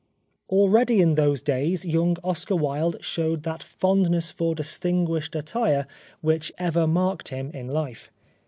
Already in those days young Oscar Wilde showed that fondness for distinguished attire which ever marked him in life.